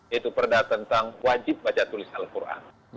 yaitu perda tentang wajib baca tulis al quran